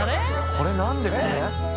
これなんでこれ？